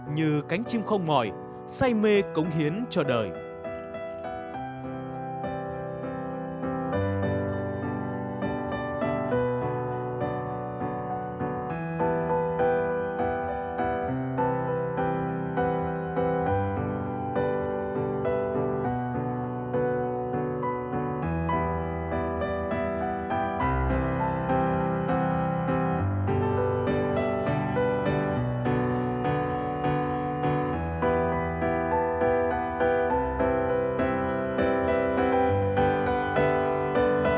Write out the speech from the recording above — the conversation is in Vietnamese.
như cánh chim không mỏi tòa đàm về đạo mẫu tòa đàm về đạo mẫu